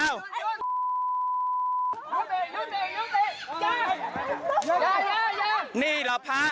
เอ้า